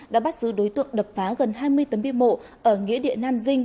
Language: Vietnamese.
đã bắt giữ đối tượng đập phá gần hai mươi tấm biên bộ ở nghĩa địa nam dinh